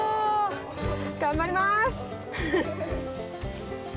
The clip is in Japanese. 頑張ります。